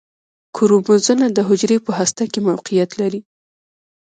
کروموزومونه د حجرې په هسته کې موقعیت لري